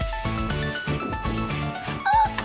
あっ！